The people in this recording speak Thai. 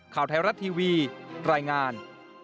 ข่าวไทยรัตน์ทีวีแรงงาน